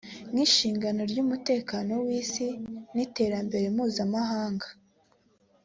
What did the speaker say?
nk’ishingiro ry’umutekano w’isi n’iterambere mpuzamahanga